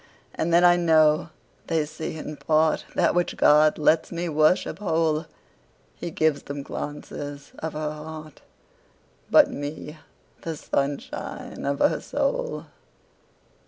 And then I know they see in partThat which God lets me worship whole:He gives them glances of her heart, But me, the sunshine of her soul.